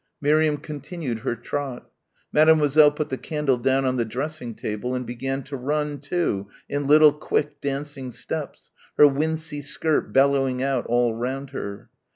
Miriam continued her trot. Mademoiselle put the candle down on the dressing table and began to run, too, in little quick dancing steps, her wincey skirt billowing out all round her.